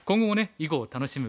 囲碁を楽しむ方々